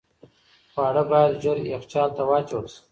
خواړه باید ژر یخچال ته واچول شي.